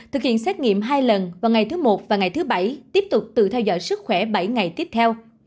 thực hiện xét nghiệm hai lần vào ngày thứ một và ngày thứ bảy tiếp tục tự theo dõi sức khỏe bảy ngày tiếp theo